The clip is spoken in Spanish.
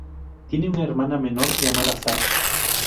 Tiene una hermana menor llamada Sara.